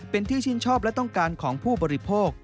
เป็นที่ชื่นชอบและต้องการของผู้บริโภค